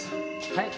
はい。